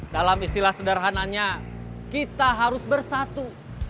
dalam istilah sederhananya kita harus bersatu